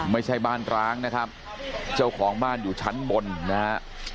ไม่ใช่บ้านร้างนะครับเจ้าของบ้านอยู่ชั้นบนนะฮะ